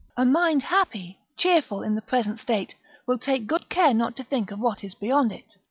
["A mind happy, cheerful in the present state, will take good care not to think of what is beyond it."